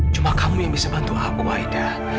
cuma kamu yang bisa bantu aku waidah